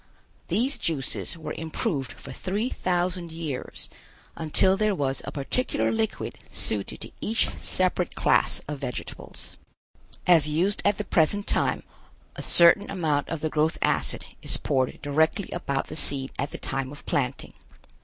These juices were improved for three thousand years until there was a particular liquid suited to each separate class of vegetables. As used at the present time, a certain amount of the growth acid is poured directly about the seed at the time of planting.